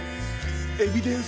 エビデンス！